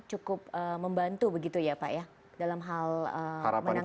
cukup membantu begitu ya pak ya dalam hal menangani